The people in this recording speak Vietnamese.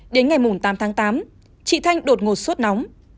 đến ngày tám tháng tám chị thanh đột ngột suốt nóng